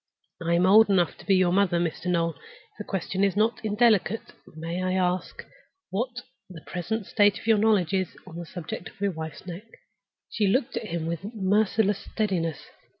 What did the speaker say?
I am old enough to be your mother, Mr. Noel. If the question is not indelicate, may I ask what the present state of your knowledge is on the subject of your wife's neck?" She looked at him with a merciless steadiness.